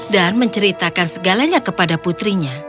dan menceritakan segalanya kepada putrinya